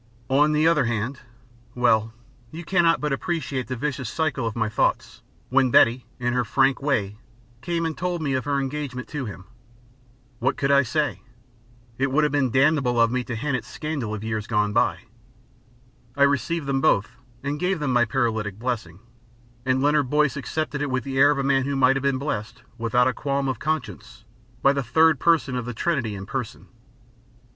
On the other hand...well, you cannot but appreciate the vicious circle of my thoughts, when Betty, in her frank way, came and told me of her engagement to him. What could I say? It would have been damnable of me to hint at scandal of years gone by. I received them both and gave them my paralytic blessing, and Leonard Boyce accepted it with the air of a man who might have been blessed, without a qualm of conscience, by the Third Person of the Trinity in Person.